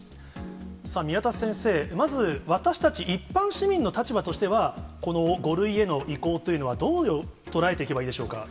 さあ、宮田先生、まず私たち一般市民の立場としては、この５類への移行というのは、どう捉えていけばいいでしょうか。